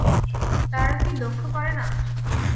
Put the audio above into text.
তারা কি লক্ষ্য করে না?